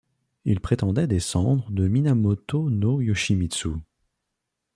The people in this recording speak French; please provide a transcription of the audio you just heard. Il prétendait descendre de Minamoto no Yoshimitsu.